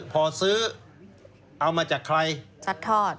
พอซื้อเอามาจากใครซัดทอด